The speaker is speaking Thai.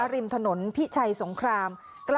ริมถนนพิชัยสงคราม๙